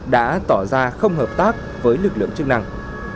đã tỏ ra không hợp tác với lực lượng chức năng